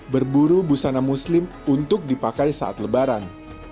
berburu busana muslim untuk dipakai saat lebaran